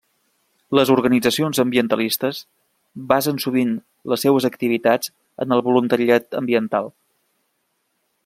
Les organitzacions ambientalistes basen sovint les seues activitats en el voluntariat ambiental.